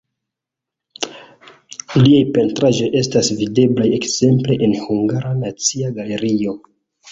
Liaj pentraĵoj estas videblaj ekzemple en Hungara Nacia Galerio.